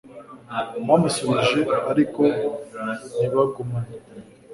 Bamusubije ariko ntibagumane